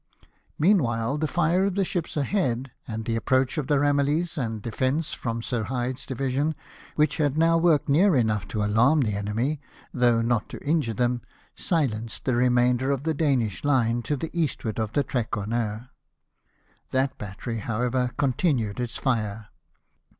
Meanwhile the Are of the ships ahead, and the approach of the Ramillies and Defence, from Sir Hyde's division, which had now worked near enough to alarm the enemy, though not to injure them, silenced the remainder of the Danish line to the eastward of the Trekroner. That battery, however, continued its fire.